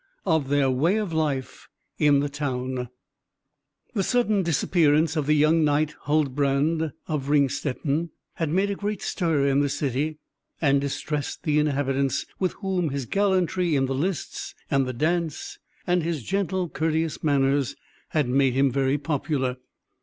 X. OF THEIR WAY OF LIFE IN THE TOWN The sudden disappearance of the young Knight Huldbrand of Ringstetten had made a great stir in the city, and distressed the inhabitants, with whom his gallantry in the lists and the dance, and his gentle, courteous manners, had made him very popular.